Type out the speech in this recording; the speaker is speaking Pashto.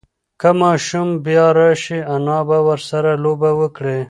که ماشوم بیا راشي، انا به ورسره لوبه وکړي.